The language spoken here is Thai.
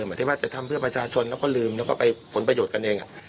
เหมือนที่ว่าจะทำเพื่อประชาชนแล้วก็ลืมแล้วก็ไปผลประโยชน์กันเอง